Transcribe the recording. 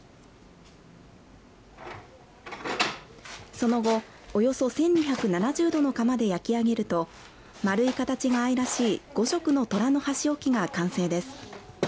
その後、およそ１２７０度の窯で焼き上げると丸い形が愛らしい５色のとらの箸置きが完成です。